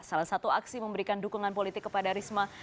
salah satu aksi memberikan dukungan politik kepada risma